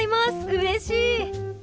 うれしい！